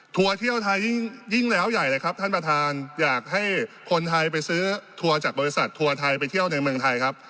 เที่ยวไทยยิ่งแล้วใหญ่เลยครับท่านประธานอยากให้คนไทยไปซื้อทัวร์จากบริษัททัวร์ไทยไปเที่ยวในเมืองไทยครับ